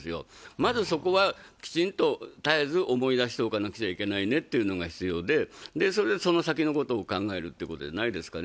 まずそこはきちんと絶えず思い出しておかなきゃいけないねということが必要で、で、その先のことを考えるってことじゃないですかね。